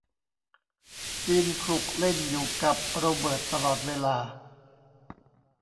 จีนขลุกเล่นอยู่กับโรเบิร์ตตลอดเวลา